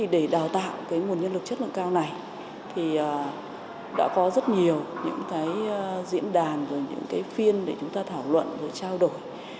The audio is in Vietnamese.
để đào tạo nguồn nhân lực chất lượng cao này đã có rất nhiều diễn đàn phiên để chúng ta thảo luận trao đổi